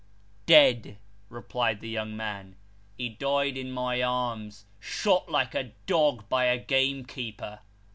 " Dead," replied the young man. " He died in my arm shot like a dog, by a gamekeeper.